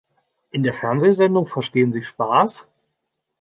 In der Fernsehsendung Verstehen Sie Spaß?